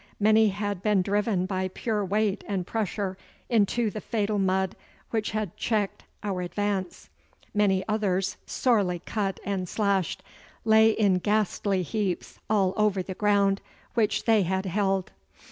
Many had been driven by pure weight and pressure into the fatal mud which had checked our advance. Many others, sorely cut and slashed, lay in ghastly heaps all over the ground which they had held.